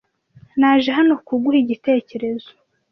Naje hano kuguha igitekerezo.